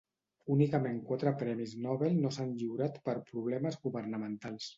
Únicament quatre premis Nobel no s'han lliurat per problemes governamentals.